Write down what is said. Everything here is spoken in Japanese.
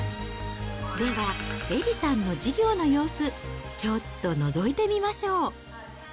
では、エリさんの授業の様子、ちょっとのぞいてみましょう。